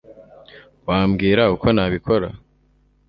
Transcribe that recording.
Wambwira uko nabikora